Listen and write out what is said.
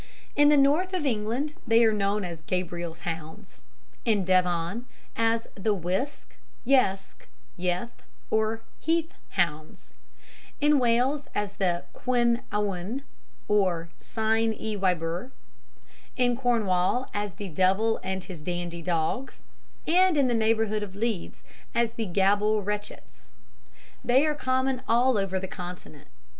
In the North of England they are known as "Gabriel's Hounds"; in Devon as the "Wisk," "Yesk," "Yeth," or "Heath Hounds"; in Wales as the "Cwn Annwn" or "Cyn y Wybr"; in Cornwall as the "Devil and his Dandy Dogs"; and in the neighbourhood of Leeds as the "Gabble Retchets." They are common all over the Continent.